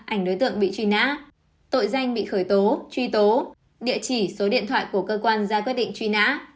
ảnh đối tượng bị truy nã tội danh bị khởi tố truy tố địa chỉ số điện thoại của cơ quan ra quyết định truy nã